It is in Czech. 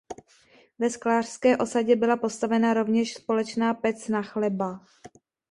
Ve sklářské osadě byla postavena rovněž společná pec na chleba.